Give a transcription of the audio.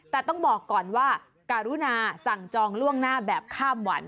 แต่ต้องบอกก่อนว่าการุณาสั่งจองล่วงหน้าแบบข้ามวัน